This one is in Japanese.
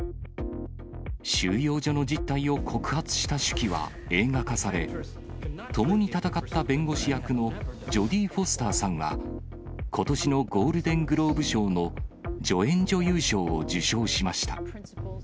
収容所の実態を告発した手記は映画化され、共に戦った弁護士役のジョディ・フォスターさんは、ことしのゴールデングローブ賞の助演女優賞を受賞しました。